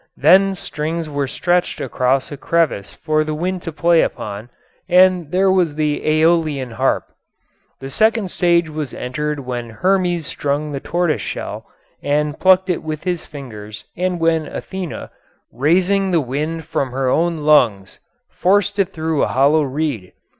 Then strings were stretched across a crevice for the wind to play upon and there was the Æolian harp. The second stage was entered when Hermes strung the tortoise shell and plucked it with his fingers and when Athena, raising the wind from her own lungs, forced it through a hollow reed.